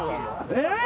えっ！